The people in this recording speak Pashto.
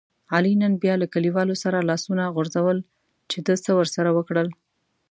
علي نن بیا له کلیوالو سره لاسونه غورځول چې ده څه ورسره وکړل.